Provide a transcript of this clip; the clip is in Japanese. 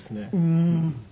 うん。